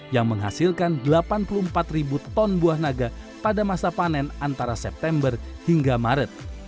yang menghasilkan delapan puluh empat ribu ton buah naga pada masa panen antara september hingga maret